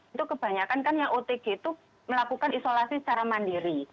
itu kebanyakan kan yang otg itu melakukan isolasi secara mandiri